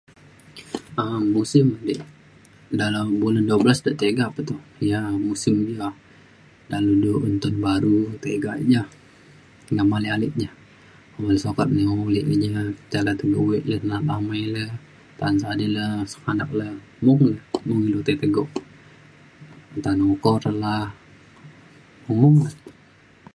um musim di dalau bulan dua belas de tiga pe tu ia’ musim iu to dalau du un taun baru tiga ek ja ngam ale ale ja okale sukat nai ulek keja tei le tegok wek le na’at amai le ta’an sadin le sengganak le mung mung ilu tai tegok taan oko re la mung na